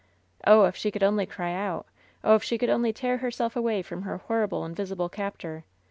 Oh, if she could only cry out. Oh, if she could only tear herself away from her horrible invisible captor.